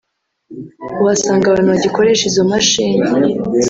uhasanga abantu bagikoresha izo mashini